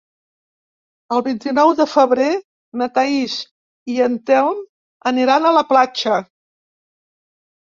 El vint-i-nou de febrer na Thaís i en Telm aniran a la platja.